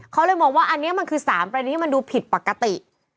เขาเลยมองว่าอันนี้มันคือ๓ประเด็นที่มันดูผิดปกติ